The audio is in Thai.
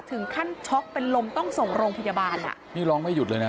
ช็อกเป็นลมต้องส่งโรงพยาบาลอ่ะนี่ร้องไม่หยุดเลยนะ